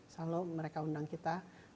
selalu mereka undang kita